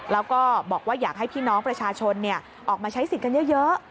แล้วก็บอกว่าอยากให้พี่น้องประชาชนออกมาใช้สิทธิ์กันเยอะ